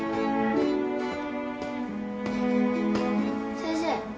先生。